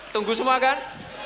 tunggu semua kan